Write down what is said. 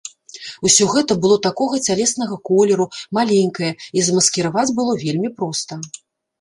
Усё гэта было такога цялеснага колеру, маленькае, і замаскіраваць было вельмі проста.